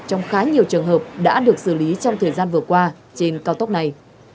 trong khá nhiều trường hợp đã được xử lý trong thời gian vừa qua trên cao tốc này